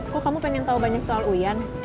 kok kamu pengen tahu banyak soal uyan